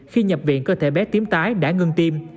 khi nhập viện cơ thể bé tím tái đã ngưng tim